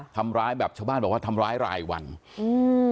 ทำร้ายแบบชาวบ้านบอกว่าทำร้ายรายวันอืม